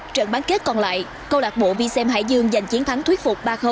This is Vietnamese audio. trận bán kết còn lại câu lạc bộ vi xem hải dương giành chiến thắng thuyết phục ba